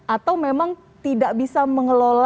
atau memang tidak bisa mengelola murid sendiri